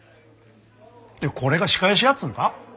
これが仕返しやっつうんか？